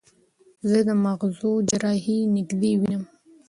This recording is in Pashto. زه د مغزو جراحي نږدې وینم.